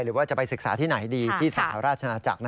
หรือว่าจะไปศึกษาที่ไหนดีที่สหราชนาจักร